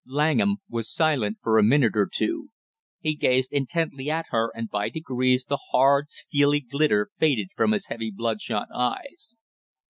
Langham was silent for a minute or two; he gazed intently at her and by degrees the hard steely glitter faded from his heavy bloodshot eyes.